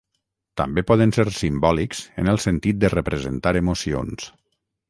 També poden ser simbòlics en el sentit de representar emocions